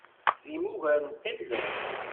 Tesrim ugar n tallunt?